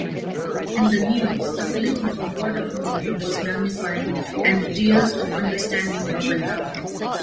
And the news, circulating from word of mouth, was magnified, and tears of understanding bubbled out.